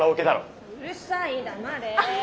うるさい黙れ。